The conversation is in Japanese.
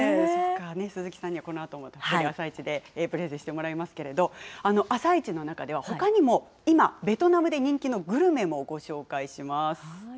鈴木さんにはこのあとのあさイチでプレゼンしてもらいますけれども、あさイチの中では、ほかにも今、ベトナムで人気のグルメもご紹介します。